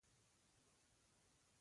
عثمان جان وویل: د څه پس پسي.